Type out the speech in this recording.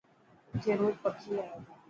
اٿي روز پکي آئي تا.